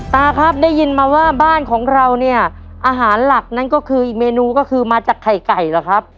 ตาครับได้ยินมาว่าบ้านของเราเนี่ยอาหารหลักนั้นก็คืออีกเมนูก็คือมาจากไข่ไก่เหรอครับ